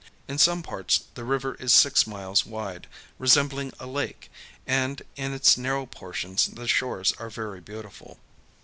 In some parts the river is six miles wide, resembling a lake, and in its narrow portions the shores are very beautiful.